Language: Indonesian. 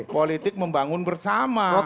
politik membangun bersama